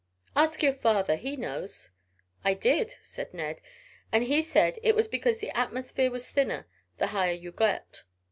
"Ask your father, he knows." "I did," said Ned, "and he said it was because the atmosphere was thinner, the higher you get."